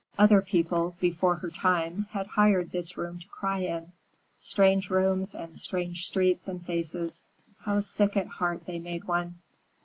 Other people, before her time, had hired this room to cry in. Strange rooms and strange streets and faces, how sick at heart they made one!